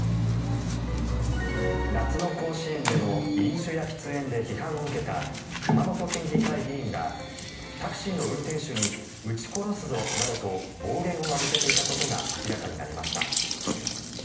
夏の甲子園での飲酒や喫煙で批判を受けた熊本県議会議員がタクシーの運転手にうち殺すぞなどと暴言を浴びせていたことが明らかになりました。